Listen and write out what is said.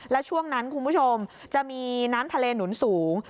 แล้วช่วงนั้นคุณผู้ชมจะมีน้ำทะเลหนุนสูง